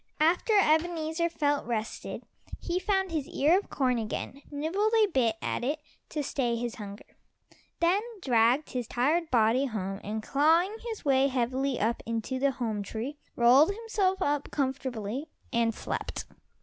After Ebenezer felt rested, he found his ear of corn again, nibbled a bit at it to stay his hunger, then dragged his tired body home, and clawing his way heavily up into the home tree, rolled himself up comfortably and slept.